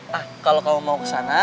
nah kalau kamu mau ke sana